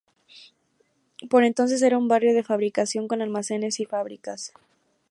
Por entonces era un barrio de fabricación, con almacenes y fábricas.